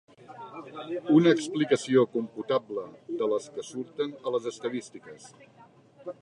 Una explicació computable, de les que surten a les estadístiques.